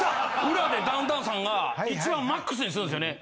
裏でダウンタウンさんが一番ＭＡＸにするんですよね。